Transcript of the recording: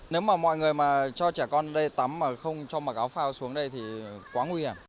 nếu mà mọi người mà cho trẻ con đây tắm mà không cho mặc áo phao xuống đây thì quá nguy hiểm